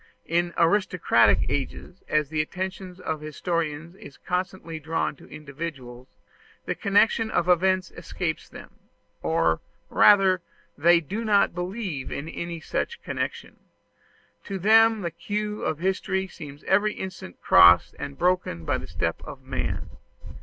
In aristocratic ages, as the attention of historians is constantly drawn to individuals, the connection of events escapes them; or rather, they do not believe in any such connection. To them the clew of history seems every instant crossed and broken by the step of man.